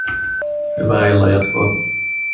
Hyvää illanjatkoa